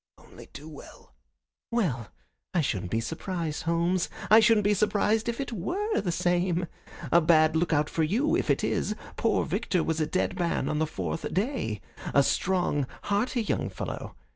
"Only too well." "Well, I shouldn't be surprised, Holmes. I shouldn't be surprised if it WERE the same. A bad lookout for you if it is. Poor Victor was a dead man on the fourth day a strong, hearty young fellow.